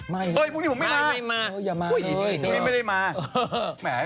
ไม่มา